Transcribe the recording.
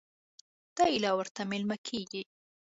دی لا ورته مېلمه کېږي.